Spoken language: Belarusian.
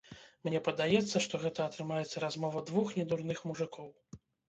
Мне падаецца, што гэта атрымаецца размова двух недурных мужыкоў.